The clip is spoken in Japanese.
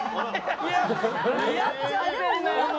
似合っちゃってんだよー！